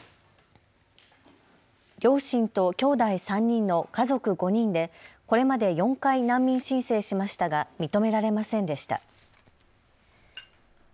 両親ときょうだい３人の家族５人で、これまで４回、難民申請しましたが認められませんでした。